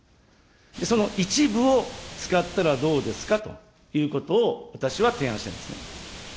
その一部を使ったらどうですかということを、私は提案していますね。